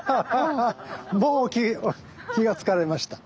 もう気が付かれました？